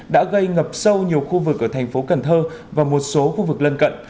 đã gây ngập sâu nhiều khu vực ở thành phố cần thơ và một số khu vực lân cận